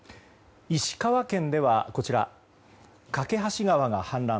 石川県では、こちら梯川が氾濫。